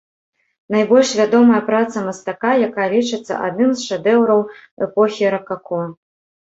Найбольш вядомая праца мастака, якая лічыцца адным з шэдэўраў эпохі ракако.